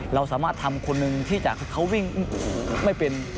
เราสามารถทำคนหนึ่งที่จะเขาวิ่งไม่เป็น